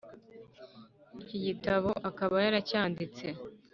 Iki gitabo akaba yaracyanditse